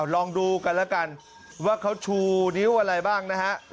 ลองดูกันแล้วกันว่าเขาชูนิ้วอะไรบ้างนะฮะ